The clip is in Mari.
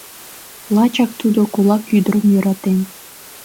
Лачак тудо кулак ӱдырым йӧратен.